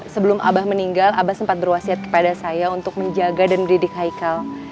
sebelum abah meninggal abah sempat berwasiat kepada saya untuk menjaga dan mendidik haikal